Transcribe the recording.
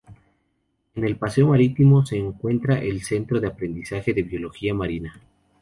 En el paseo marítimo, se encuentra el "Centro de Aprendizaje de Biología Marina".